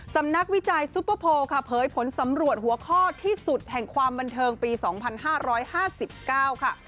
นักวิจัยซุปเปอร์โพลค่ะเผยผลสำรวจหัวข้อที่สุดแห่งความบันเทิงปี๒๕๕๙ค่ะ